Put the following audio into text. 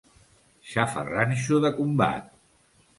Xafarranxo de combat.